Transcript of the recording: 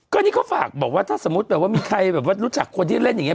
ก็นี่เขาฝากบอกว่าถ้าสมมุติแบบว่ามีใครแบบว่ารู้จักคนที่เล่นอย่างนี้